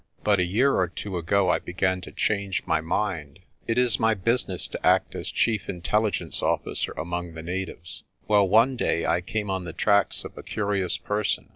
But a year or two ago I began to change my mind. "It is my business to act as Chief Intelligence officer among the natives. Well one day I came on the tracks of a curious person.